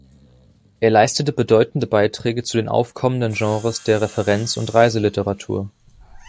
Er leistete bedeutende Beiträge zu den aufkommenden Genres der Referenz- und Reiseliteratur.